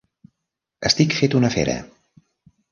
Estic fet una fera.